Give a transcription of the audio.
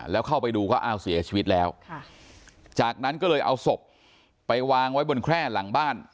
แล้วเข้าไปดูก็อ้าวเสียชีวิตแล้วจากนั้นก็เลยเอาศพไปวางไว้บนแคร่หลังบ้าน